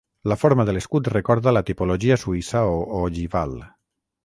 La forma de l'escut recorda la tipologia suïssa o ogival.